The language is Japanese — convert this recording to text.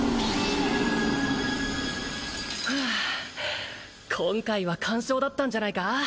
ふう今回は完勝だったんじゃないか？